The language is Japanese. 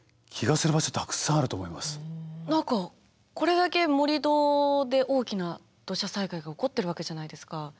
何かこれだけ盛り土で大きな土砂災害が起こってるわけじゃないですか。